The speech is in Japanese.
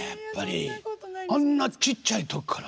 あんなちっちゃい時から。